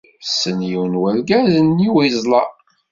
Tessen yiwen n wergaz n yiweẓla.